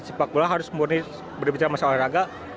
sepak bola harus memudih berbicara masyarakat